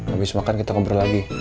abis makan kita kembar lagi